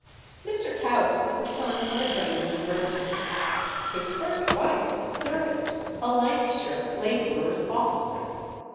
Mr. Coutts was the son of a Dundee merchant. His first wife was a servant, a Lancashire labourer's offspring.